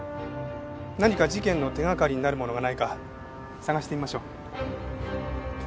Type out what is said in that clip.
何か事件の手掛かりになるものがないか捜してみましょう。